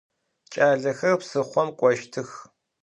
Ç'alexer psıxhom k'oştıx.